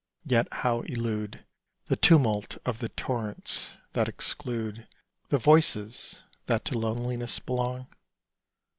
Yet how elude The tumult of the torrents that exclude The voices that to loneliness belong?